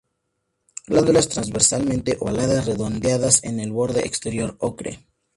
Glándulas transversalmente ovaladas, redondeadas en el borde exterior, ocre.